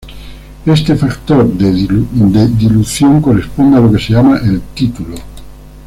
Este factor de dilución corresponde a lo que se llama el título.